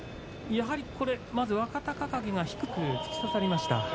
やはりまず若隆景が低く突き刺さりました。